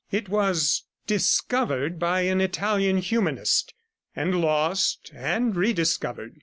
It was "discovered" by an Italian humanist, and lost and rediscovered.